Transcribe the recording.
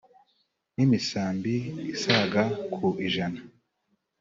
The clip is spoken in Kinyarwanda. n’imisambi isaga ku ijana,